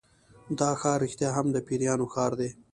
دا ښار رښتیا هم د پیریانو ښار دی.